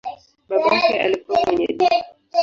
Babake alikuwa mwenye duka.